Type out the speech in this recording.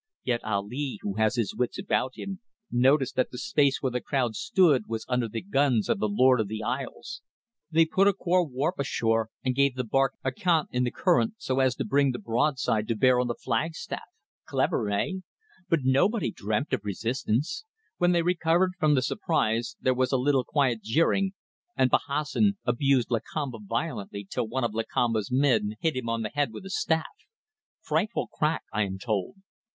Yet Ali, who has his wits about him, noticed that the space where the crowd stood was under the guns of the Lord of the Isles. They had put a coir warp ashore, and gave the barque a cant in the current, so as to bring the broadside to bear on the flagstaff. Clever! Eh? But nobody dreamt of resistance. When they recovered from the surprise there was a little quiet jeering; and Bahassoen abused Lakamba violently till one of Lakamba's men hit him on the head with a staff. Frightful crack, I am told.